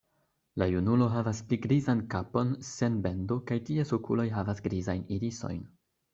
La junulo havas pli grizan kapon sen bendo kaj ties okuloj havas grizajn irisojn.